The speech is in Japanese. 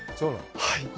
はい。